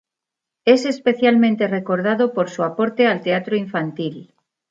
Es especialmente recordado por su aporte al teatro infantil.